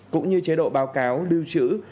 cũng như chế độ báo cáo lưu trữ